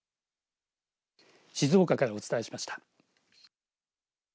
静岡からお伝えしました。